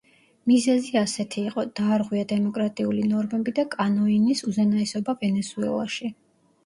მიზეზი ასეთი იყო: დაარღვია დემოკრატიული ნორმები და კანოინის უზენაესობა ვენესუელაში.